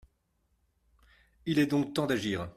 Il est donc temps d’agir